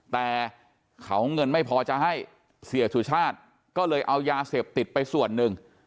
แต่เขาเงินไม่พอจะให้เสียสุชาติก็เลยเอายาเสพติดไปส่วนหนึ่ง